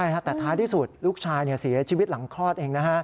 แต่ท้ายที่สุดลูกชายเสียชีวิตหลังคลอดเองนะฮะ